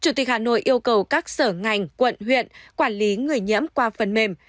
chủ tịch hà nội yêu cầu các sở ngành quận huyện quản lý người nhiễm qua phần mềm